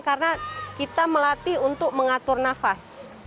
karena kita melatih untuk mengatur nafas